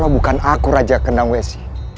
kau bukan aku raja kandang waisi